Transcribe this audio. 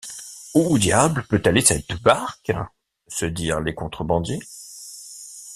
Où diable peut aller cette barque? se dirent les contrebandiers.